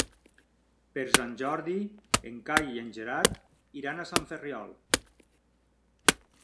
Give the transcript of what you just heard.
Per Sant Jordi en Cai i en Gerard iran a Sant Ferriol.